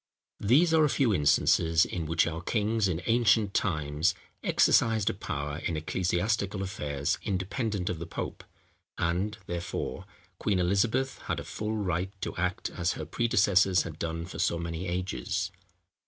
These are a few instances in which our kings in ancient times exercised a power in ecclesiastical affairs independent of the pope; and, therefore, Queen Elizabeth had a full right to act as her predecessors had done for so many ages.